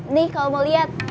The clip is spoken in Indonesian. nih kalau mau lihat